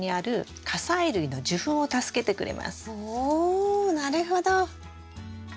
おなるほど。